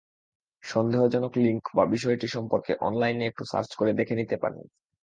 সন্দেহজনক লিংক বা বিষয়টি সম্পর্কে অনলাইনে একটু সার্চ করে দেখে নিতে পারেন।